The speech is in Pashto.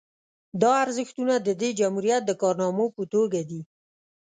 دا ارزښتونه د دې جمهوریت د کارنامو په توګه دي